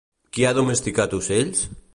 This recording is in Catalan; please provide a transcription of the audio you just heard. Qui ha domesticat ocells?